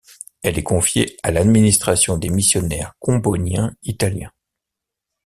Elle est confiée à l'administration des missionnaires comboniens italiens.